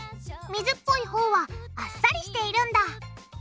水っぽいほうはあっさりしているんだ。